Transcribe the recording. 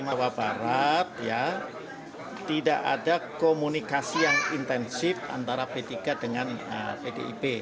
di jawa barat ya tidak ada komunikasi yang intensif antara p tiga dengan pdip